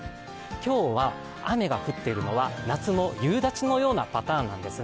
今日は雨が降っているのは夏の夕立のようなパターンなんです。